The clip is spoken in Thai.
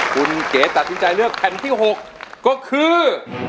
คุณเก๋ตัดสินใจเลือกแผ่นที่๖ก็คือ